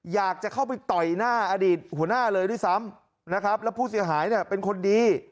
อยากจะเข้าไปต่อยหน้าอดีตหัวหน้าเลยด้วยซ้ำนะครับแล้วผู้เสียหายเนี่ยเป็นคนดี